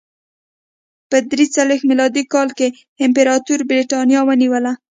په درې څلوېښت میلادي کال کې امپراتور برېټانیا ونیوله